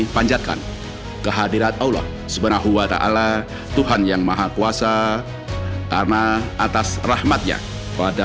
panjatkan kehadirat allah subhanahu wa ta ala tuhan yang maha kuasa karena atas rahmatnya pada